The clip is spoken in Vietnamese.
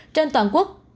trên toàn quốc